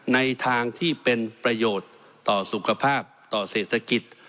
ในทางที่เป็นประโยชน์ต่อสุขภาพต่อเศรษฐกิจ